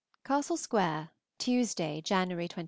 CASTLE SQUARE, Tuesday (January 24).